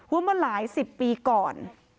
ว่าเมื่อหลายสิบปีก่อน